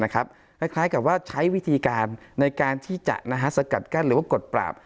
คล้ายกับว่าใช้วิธีการในการที่จะสกัดกั้นหรือว่ากดปราบ